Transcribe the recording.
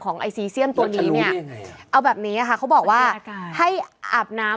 ไอซีเซียมตัวนี้เนี่ยเอาแบบนี้ค่ะเขาบอกว่าให้อาบน้ำ